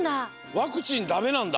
ワクチンダメなんだ。